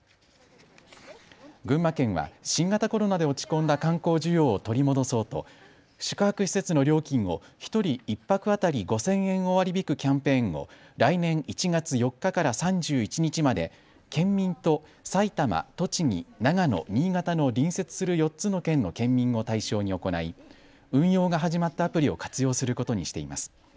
群馬県は新型コロナで落ち込んだ観光需要を取り戻そうと宿泊施設の料金を１人１泊当たり５０００円を割り引くキャンペーンを来年１月４日から３１日まで県民と埼玉、栃木、長野、新潟の隣接する４つの県の県民を対象に行い運用が始まったアプリを活用することにしています。